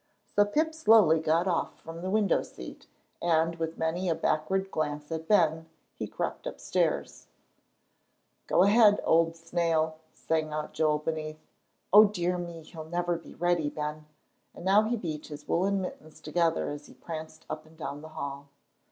So Pip slowly got off from the window seat, and, with many a backward glance at Ben, he crept upstairs. "Go ahead, old snail," sang out Joel beneath. "O dear me! He'll never be ready, Ben," and now he beat his woollen mittens together as he pranced up and down the hall.